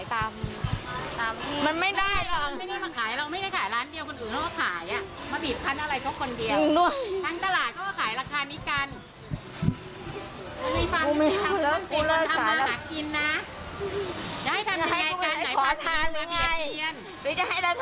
อยู่แล้วไม่รู้เจอปัญหานี้อีก